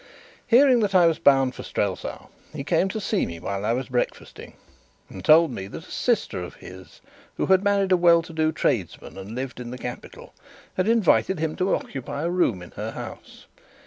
Hearing that I was bound for Strelsau, he came to see me while I was breakfasting, and told me that a sister of his who had married a well to do tradesman and lived in the capital, had invited him to occupy a room in her house.